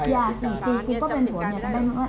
อย่า๔ปีกูก็เป็นหัวเนี่ย